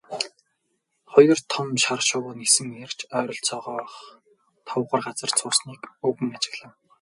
Хоёр том хар шувуу нисэн ирж ойролцоох товгор газарт суусныг өвгөн ажиглав.